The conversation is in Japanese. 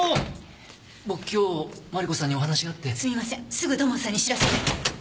すぐ土門さんに知らせないと。